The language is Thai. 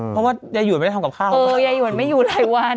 เพราะว่ายายหวนไม่ได้ทำกับข้าวเออยายหวนไม่อยู่หลายวัน